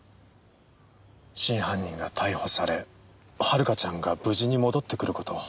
真犯人が逮捕され遥ちゃんが無事に戻ってくる事を。